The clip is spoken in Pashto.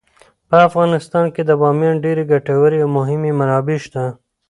په افغانستان کې د بامیان ډیرې ګټورې او مهمې منابع شته.